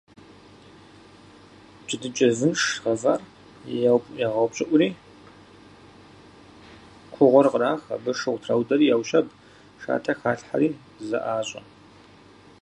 Джэдыкӏэ вынш гъэвар ягъэупщӏыӏури кугъуэр кърах, абы шыгъу траудэри яущэб, шатэ халъхьэри, зэӏащӏэ.